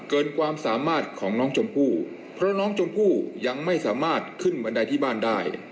เกินความสามารถของน้องชมพู่เพราะน้องชมพู่ยังไม่สามารถขึ้นบันไดที่บ้านได้